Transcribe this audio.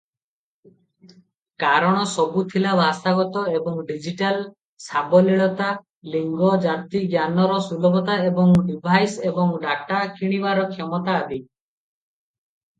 କାରଣସବୁ ଥିଲା ଭାଷାଗତ ଏବଂ ଡିଜିଟାଲ ସାବଲୀଳତା, ଲିଙ୍ଗ, ଜାତି, ଜ୍ଞାନର ସୁଲଭତା ଏବଂ ଡିଭାଇସ ଏବଂ ଡାଟା କିଣିବାର କ୍ଷମତା ଆଦି ।